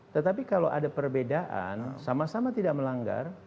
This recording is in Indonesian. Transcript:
tetapi kalau ada perbedaan sama sama tidak melanggar